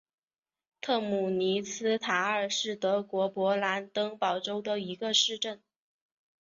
特姆尼茨塔尔是德国勃兰登堡州的一个市镇。